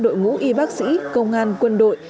đội ngũ y bác sĩ công an quân đội